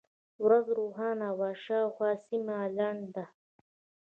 ورځ روښانه وه، شاوخوا سیمه لنده.